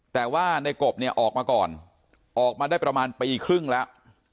แต่ว่าในกบเนี่ยออกมาก่อนออกมาได้ประมาณปีครึ่งแล้ว